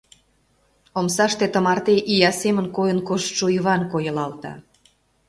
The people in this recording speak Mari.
Омсаште тымарте ия семын койын коштшо Иван койылалта.